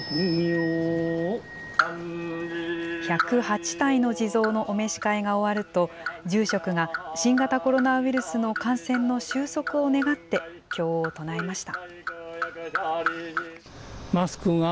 １０８体の地蔵のお召し替えが終わると、住職が新型コロナウイルスの感染の収束を願って経を唱えました。